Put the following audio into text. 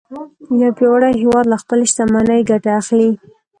یو پیاوړی هیواد له خپلې شتمنۍ ګټه اخلي